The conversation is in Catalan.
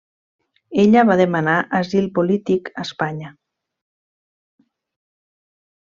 Ella va demanar asil polític a Espanya.